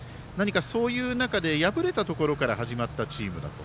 そういう中で敗れたところから始まったチームだと。